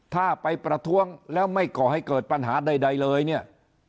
ถ้าไปประท้วงแล้วไม่ก่อให้เกิดปัญหาใดเลยเนี่ย